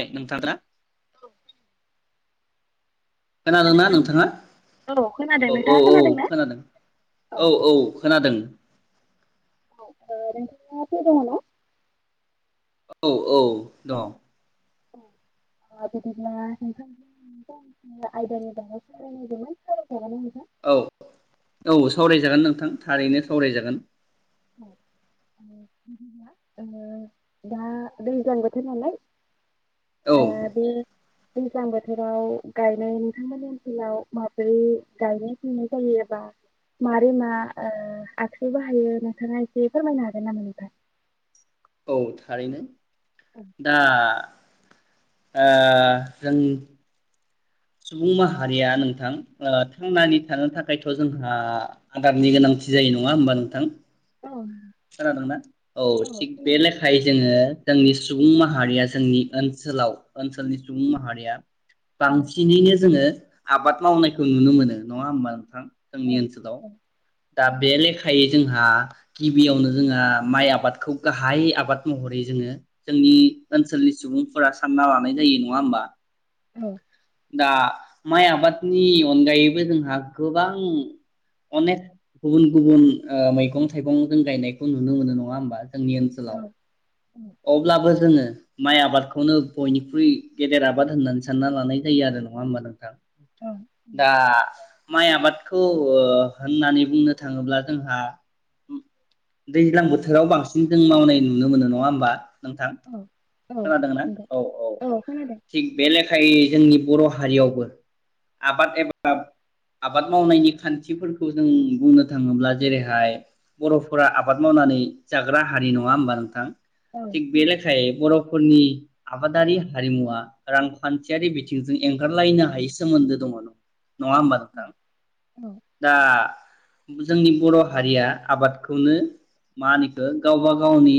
ओइ नोंथाद्रा औ खोनादोंना नोंथां? नोंथाङा औ खोनादों औ औ नोंथाङा औ ना? खोनादों ओ औ औ खोनादों औ ओ नोंथाङा फ्रि दंङ ना औ औ दङ' ओ ओ बिदिब्ला नोंथां आयदानि बाहाय सावरायनो नागिरदोंमोन औ औ सावरायजागोन नोंथां थारैनो सावरायजागोन औ ओम मा ओ दा दैज्लां बोथोर नालाय औ ओ दे दैज्लां बोथोराव गायनाय नोंथांमोननि ओनसोलाव माब्रै गायनाय फुनाय जायोबा एबा मारै मा ओ आखु बाहायो नोंथाङा एसे फोरमायनो हागोन नामा नोंथां औ थारैनो औ दा आ जों सुबुं माहारिया नोंथां ओ औ थांनानै थानो थाखाय थ जोंहा आदारनि गोनांथि जायो नङा होमबा नोंथां खोनादोंना औ थिग बे लेखायै जोङो जोंनि सुबुं माहारिया जोंनि ओनसोलाव ओनसोलनि सुबुं माहारिया औ बांसिनैनो जोङो आबाद मावनायखो नुनो मोनो नङा ओमबा नोंथां? ओंनि औ ओनसोलाव दा औ बे लेखायै जोंहा गिबियावनो जोंहा माइ आबादखौ गाहाय आबाद महरै जोङो जोंनि ओनसोलनि सुबुंफोरा सानना लानाय जायो नङा ओमबा? औ दा माइ आबादनि अनगायैबो जोंहा गोबां अनेक गुबुन गुबुन ओ मैगं थाइगं गायनायखौ नुनो मोनो नङा ओमबा जोंनि औ ओनसोलाव औ अब्लाबो जोंङो माइ आबादखौनो बयनिख्रुइ गेदेर आबाद होननानै सानना लानाय जायो आरो नङा ओमबा नोंथां औ दा माइ आबाद खौ ओ होननानै बुंनो थाङोब्ला जोंहा दैज्लां बोथोराव बांसिन जों मावनाय नुनो मोनो नङा ओमबा नोंथां औ औ खोनादोंना नंगौ औ औ थिग बे लेख थाय जोंनि बर हारियावबो आबाद एबा [unintelligible] औ ब आबाद मावनायनि खान्थिफोरखौ जों बुंनो थाङोब्ला जेरैहाय बरफोरा आबाद मावनानै जाग्रा हारि नङा ओमबा नोंथां औ थिग बेलखायै बर' फोरनि आबादारि हारिमुवा रांखान्थियारि बिथिंजों एंगारलायनो हायै सोमोन्दो दङ नङा ओमबा नोंथां औ दा जोंनि बर हारिया आबादखौनो मा ओनो इखो गावबा गावनि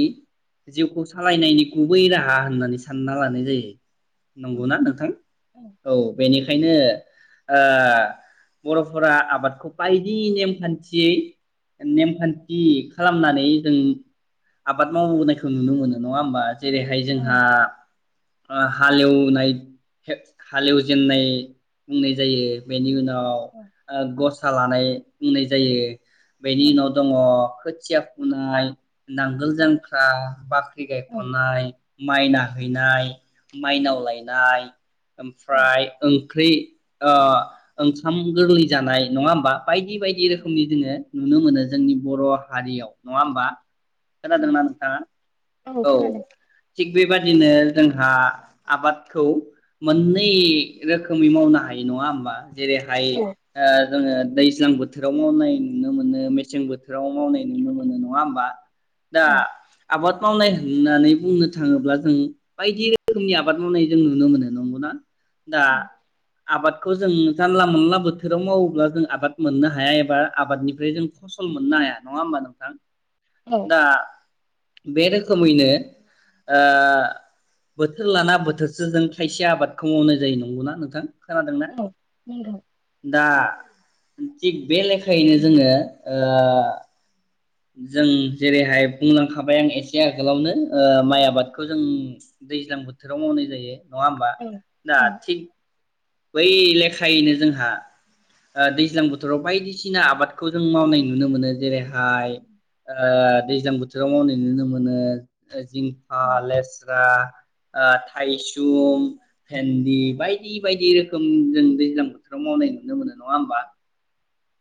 जिउखौ सालायनायनि गुबै राहा होननानै सानना लानाय जायो औ नंगौना नोंथां औ बेनिखायनो ओ बरफोरा आबादखौ बायदि नेमखान्थियै नेम खान्थि खालामनानै जों आबाद मावबोनायखौ नुनो मोनो नङा ओमबा? जेरैहाय जोंहा ओ हालेवनाय हालेवजेेननाय बुंनाय जायो बेनि उनाव औ ओ गसा लानाय। बुंनाय जायो। बेनि उनाव अ खोथिया फुनाय नांगोल जांख्रा बा ख्रि औ गायखननाय माइ नाहैनाय माइनाव लायनाय ओमफ्राय ओंख्रि ओ ओंखाम गोरलै जानाय नङा होमबा। बायदि बायदि रोखोमनि जोङो नुनो मोनो। जोंनि बर' हारियाव नङा होमबा। खोनादोंना नोंथाङा औ। थिग बेबायदिनो जोंहा आबादखौ मोननै रोखोमै मावनो हाय नङा होमबा। जेरैहाय औ ओ जोङो दैस दैज्लां बोथोराव मावनाय नुनो मोनो। मेसें बोथोराव मावनाय नुनो मोनो नङा होमबा। दा औ आबाद मावनाय होननानै बुंनो थाङोब्ला जों बायदि रोखोमनि आबाद मावनाय जों नुनो मोनो नंगौना। दा आबाद खौ जों जानला मोनला बोथोराव मावोब्ला जों आबाद मोननो हाया एबा आबादनिफ्राय जों फसल मोननो हाया नङा होमबा नोंथां। औ दा बे रोखोमैनो ओ बोथोर लाना बोथोरसो जों खायसे आबादखौ मावनाय जायो नंगौना नोंथां। खोनादोंना औ नंगौ दा थिग बे लेखायैनो जोङो ओ जों जेरैहाय बुंलांखाबाय आं एसे आगोलावनो। ओ औ माइ आबादखौ जों दैज्लां बोथोराव मावनाय जायो। नङा होमबा दा औ थिग बै लेखायैनो जोंहा दैज्लां ओ बोथोराव बायदिसिना आबादखौ जों मावनाय नुनो मोनो जेरैहाय दैज्लां ओ बोथोराव मावनाय नुनो मोनो। जिंखा औ लेस्रा ओ थायसुम, भेन्दि बायदि बेबायदि रोखोम जों दैज्लां बोथोराव मावनाय नुनो मोनो नङा होमबा।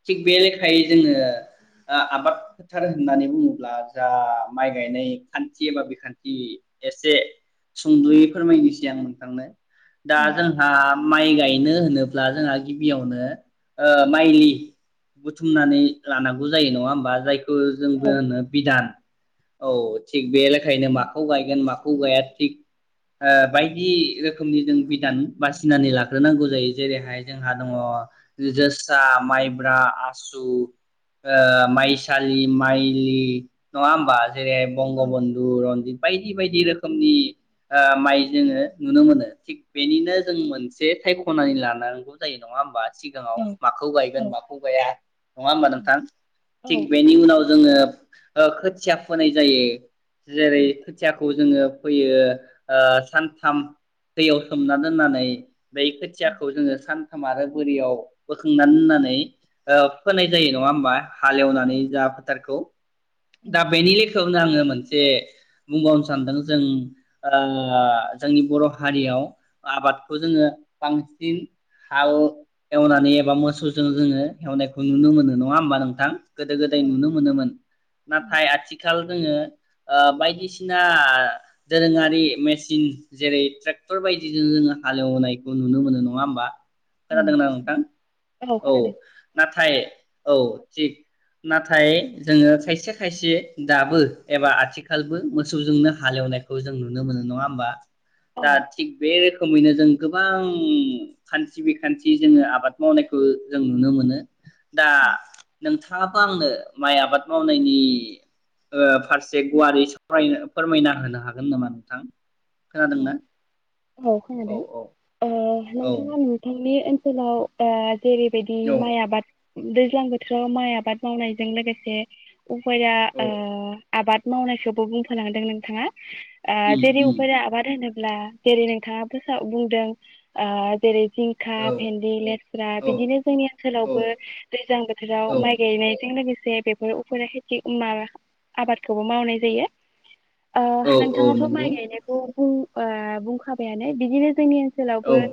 थिग बे लेखायै जोङो ओ आबाद फोथार होननानै बुङोब्ला जा माइ गायनाय खान्थि एबा बिखान्थि एसे औ सुंदयै फोरमायनोसै आं नोंथांनो दा जोंहा माइ गाय बेनो होनोब्ला जोंहा गिबियावनो ओ माइलि। बुथुमनानै लानांगौ जायो नङा होमबा जाय जोंबो जोंजे होनो बिधान। औ थिग। बे लेखायनो माखौ गायगोन मा खुगाया थिग ओ बायदि रोखोमनि जों बिदान बासिनानानै लाग्रोनांगौ जायो जेरैहाय जोंहा दङ जोसा माइ ब्रा आसु माइसालि माइलि नङा होमबा जेरैहाय बंग बन्धु बाय बायदि बायदि रोखोमनि ओ माइ जोङो नुनो मोनो थिग बेनिनो जों मोनसे थाइगं खनानै लानांगौ जायो नङा होमबा औ सिगाङाव माखौ गायगोन बा औ हगाया नङा औ होमबा नोंथां थिग खोनादों बेनि उनाव जोङो। ओ खोथिया फोनाय जायो। जेरै खोथियाखौ जोङो फैयो ओ सानथाम दैयाव सोमना दोननानै बै खोथियाखौ जोङो सान आरो बोरियाव बोखांनानै दोननानै ओ फोनाय जायो नङा होमबा। हालेवनानै औ जा फोथारखौ। दा बेनि लेखायावनो आङो मोनसे बुंबावनो सानदों जों ओ जोंनि बर हारियाव आबादखौ जोङो बांसिन हाल एवनानै एबा मोसौजों जोङो नुनो मोनो नङा होनबा? गोदो गोदाय नुनो मोनोमोन नाथाय आथिखाल जोङो ओ बायदिसिना खोनादोंना नोंथां औ नाथाय औ थिग नाथाय जोङो खायसे खायसे दाबो एबा आथिखालबो मोसौ जोंनो हालेवनायखौ नुनो मोनो जों नङा होनबा दा थिग बे रो खोमैनो जों गोबां खान्थि बिखान्थि जोङो आबाद मावनायखौ जों नुनो मोनो दा औ नोंथाङाबो आंनो माइ आबाद मावनायनि औ ओ औ नोंथाङाआ नुथाय बे ओनसोलाव ओ जेरैबायदि औ माइ आबाद। दैज्लां बोथोराव माइ आबाद मावनायजों लोगोसे। उफाया औ ओ आबाद। मावनायखौबो [unintelligible] नोंथाङा। ओ [unintelligible] उम उम आबाद होदों। ला जेरै नोंथाङा बुंदों गोसा जेरै जिंखा, औ भेन्दि, लेस्रा औ बिदिनो जोंनि ओनसोलावबो औ दैज्लां बोथोराव माइ औ गायनायजों लोगोस जे बेफोर उफेरा खेथि माबा आबादखौबो मावनाय जायो। औ आ औ नोंथाङाथ' नंगौ माय गायनायखौ आ बुं खाबायानो बिदिनो जोंनि औ ओन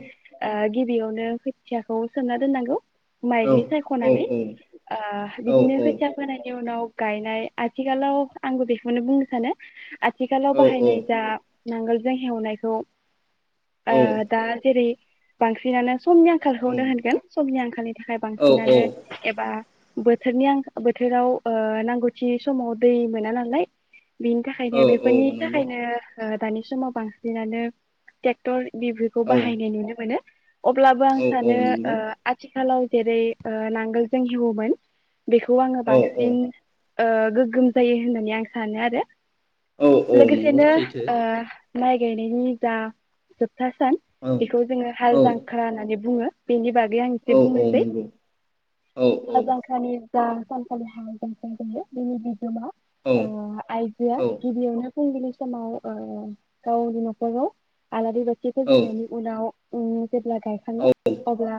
[unintelligible] गिबियावनो खोथियाखौ सोमना दोननांगौ। औ माइग्लि औ सायखनानै ओ औ बिदिनो खोथिया फोनायनि उनाव। गायनाय आथिखालाव आंबो बेखौनो बुंनो सानो। आथिखालाव औ बाहायनाय जा नांगोलजों हेवनायखौ। आ दा जेरै बांसिन आनो। समनि आंखालखौनो होनगोन समनि आंखालनि थाखाय औ बांसिनानो एबा बोथोरनि आं बोथोराव ओ नांगौथि समाव दै मोना नालाय। बिनि औ थाखायनो औ बेफोरनि नंगौ थाखायनो दानि समाव बांसिनानो। टेक्टर बिफोरखौ औ बाहायनाय नुनो मोनो। अब्ला जों औ औ सानैया ओ नंगौ आथिखालाव जेरै नांगोलजों हेवोमोन। बेखौ आङो औ बांसिन। ओ गोगोम जायो होननानै आं सानो आरो। औ औ लोगोसेनो नंगौ सैथो। ओ माइ गायनायनि जा था सान औ बेखौ जोङो औ हालजांख्रा होन्नानै बुंङो बेनि बागै आं एसे औ औ बुंनोसै नंगौ औ हालजांख्रानि जा सानखालि हालजांख्रा दोङो बिनि बिगोमा औ नंगौ अ आइजोआ गिबियावनो फुंनि समाव ओ गावनि नखराव आलारि‌ बा औ फोजोंनायनि उनाव उम जेब्ला गायखाङो अब्ला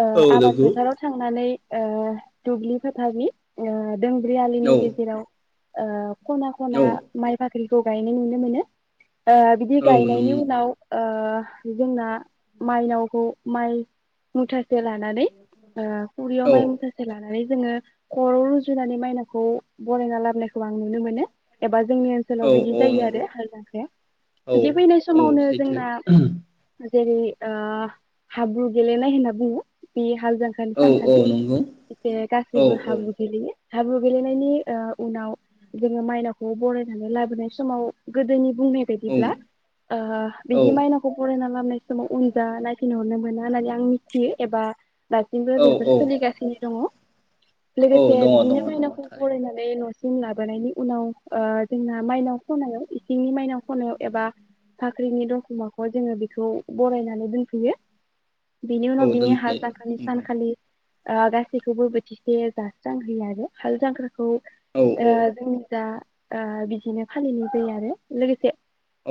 ओ औ आबाद नों फोथाराव थांनानै ओ दुबलि फोथारनि ओ दोंब्रै औ आलिनि गेजेराव ओ खना खना माइफा खौ गायनाय नुनो मोनो ओ बिदि औ गायनायनि उन नाव ओ जोंना माइनावखौ माइ मुथा से लानानै ओ खुरियाव माइ मुथासे लानानै जोङो खरआव रुजुनानै माइनावखौ बरायना लाबोनायखौ आं नुनो मोनो एबा जोंनि ओनसोलाव बिदि औ जायो नंगौ आरो हालजांख्राया बिदि औ फैनाय औ समावनो सैथो जोंना जेरै हाब्रु गेलेनाय होनना बुङो बेयो हालजांख्रानि औ औ सानखालि नंगौ इसे औ गासैबो हाब्रु गेलेयो हाब्रु गेलेनायनि ओ उनाव जोङो माइनावखौ बरायनानै लाबोनाय समाव गोदोनि बुंनाय बायदिब्ला ओ औ बिदि माइनावखौ बरायना लाबनाय समाव उनजा नायफिन हरनो मोना होन्ना आं मिथियो एबा दासिमबो औ बेफोर औ सोलिगासिनो दङ औ लोगोसे दङ बिदिनो दङ दङ माइनावखौ थारैनो बरायनानै नसि जों लाबोनायनि उनाव ओ जोंना माइनाव खनायाव इसिंनि माइनाव खनायाव एबा बाख्रिनि दरखं मोखाङाव जोङो बेखौ बरायनानै दोनफैयो बिनि उनाव औ बिनि हाल दोनफैयो जांख्रानि नंगौ सानखालि ओ गासैखौबो बोथिसे जास्रांहोयो आरो हाल जांख्रा खौ औ औ ओ जोंनिजा बिदिनो फालिनाय जायो आरो लोगोसे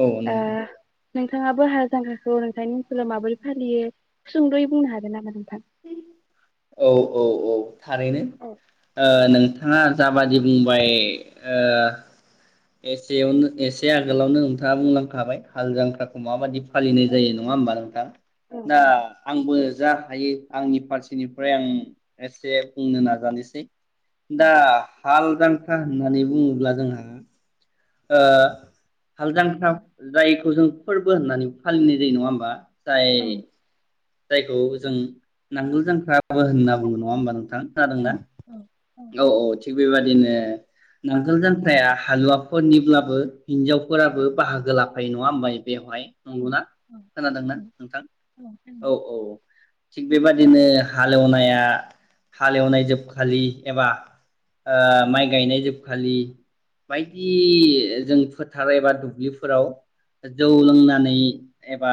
औ ओ नंगौ। नोंथाङाबो हाल जांख्रा खौ नोंथांनि ओनसोलाव माबोरै फालियो? सुंद'यै बुंनो हागोन नामा नों? औ औ औ। थारैनो औ ओ औ नोंथाङा जाबादि बुंबाय ओ एसेयावनो एसे आगोलावनो नोंथाङा बुंलांखाबाय हाल जांख्राखौ माबायदि फालिनाय जायो नङा होमबा नोंथां औ दा आंबो जा हायो। आंनि फारसेनिफ्राय आं एसे बुंनो नाजानोसै। दा हाल जांख्रा होननानै बुङोब्ला जोंहा। ओ हाल जांख्रा जायैखौ जों फोरबो होननानै फालिनाय जायो नङा होमबा जाय जायखौ जों नांगोल जांख्राबो होनना बुङो नङा होमबा नों थां, खोनादों ना? औ औ थिग बेबायादिनो नांगोल जांख्राया हालुवाफोरनिब्लाबो हिनजावफोराबो बाहागो लाफायो नङा होमबा? बेवहाय नंगौना खोनादोंना नोंथां औ औ थिग बेबादिनो हा हाल एवनाया हाल एवनाय जोबखालि एबा माइ ओ गायनाय जोबखालि बायदि जों फोथार एबा दुब्लिफोराव जौ लोंनानै एबा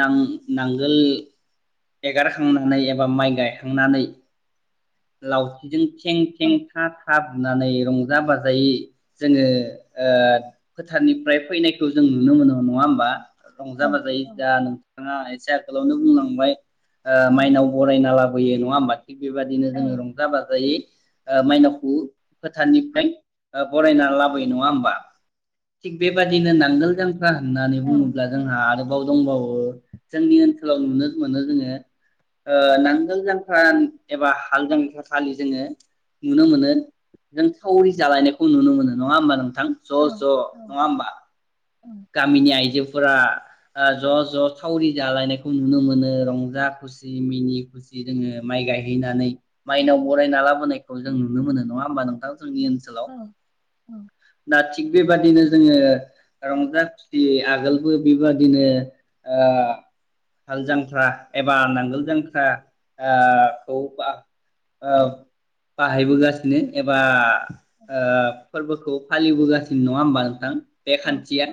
नां नांगोल एगारखांनानै एबा माइ गायखांनानै। लावथिजों थें थें था था बुनानै। रंजा बाजायै जोङो ओ फोथारनिफ्राय फैनायखौ जों नुनो मोनो नङा होमबा। रंजा बाजायै दा नोंथाङा एसे। आगोलावनो बुंलांबाय। ओ माइनाव बरायना लाबोयो बोयो नङा होमब्ला थिग बेबाद बिनो जोंङो रंजा बाजायै माइनावखौ फोथारनिफ्राय बरायना लाबोयो नङा होमबा थिग बेबादिनो नांगोल जां ख्रा होननानै बुङोब्ला जोंहा आरोबाव दंबावो जोंनि ओनसोलाव नुनो मोनो जोङो ओ नांगोल जांख्रा एबा हाल जांख्रा खालि जोङो नुनो मोनो जों सावरि जालायनायखौ नुनो मोनो नङा होमबा नों थां ज ज नङा होमबा गामिनि आइजोफोरा ज ज सावरि जालायनायखौ नुनो मोनो रंजा खुसि मिनि खुसि जोंङो माइ गायहैनानै माइनाव बरायना लाबोनायखौ जों नुनो मोनो नङा होमबा नोंथां जोंनि ओनसोलाव दा थिग बेबादिनो जोंङो रंजा खुसि आगोलबो बेबादिनो ओ हाल जांख्रा एबा नांगोल जांख्राखौ बाहायबोगासिनो एबा ओ फोरबो खौ फालिबोगासिनो नङा होमबा नोंथां बे खान्थिया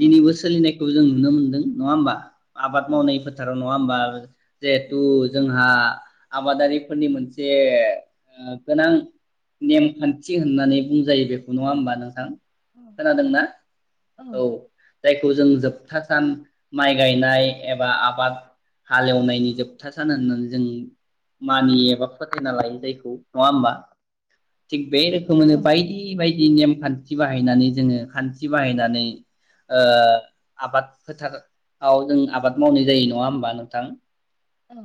दिनैबो सोलिनायखौ जों नुनो मोन दों नङा होमबा? आबाद मावनाय फोथाराव नङा होमबा जेहेथु जोंहा आबादारिफोरनि मोनसे ओ गोनां नेमखान्थि होननानै बुंजायो बेफो खौ नङा होमबा नोंथां खोनादों ना? औ जायखौ जों जोबथा सान माइ गायनाय एबा आबाद हालेवनायनि जोबथा सान होननानै जों मानियो एबा फोथायना लायो जायखौ नङा होमबा थिग बे रोखोमोनो बायदि बायदि नेम खान्थि बाहायनानै जोङो खान्थि बाहायनानै ओ आबाद फोथाराव जों आबाद मावनाय जायो नङा होमबा नोंथां औ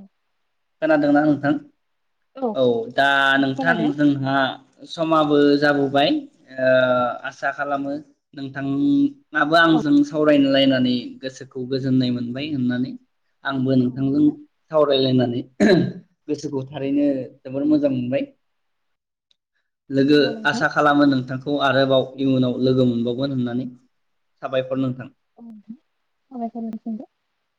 खोनादोंना नोंथां? औ दा नोंथां खोनादों जोंहा समाबो जाबोबाय ओ आसा खालामो नोंथां आबो औ आंजों सावरायनो लायनानै गोसो खौ गोजोननाय मोनबाय होननानै। आंबो औ नोंथांजों नोंथां सावरायलायनानै गोसोखौ थारैनो जोबोर मोजां मोनबाय लोगो औ नोंथां आसा खालामो नोंथांखौ आरोबाव इयुनाव लोगो मोनबावगोन होननानै साबायखर नोंथां। [unintelligible]